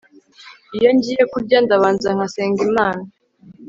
iyo ngiye kurya ndabanza nkasenga imana